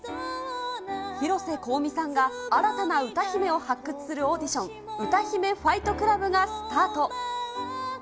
広瀬香美さんが新たな歌姫を発掘するオーディション、歌姫ファイトクラブ！がスタート。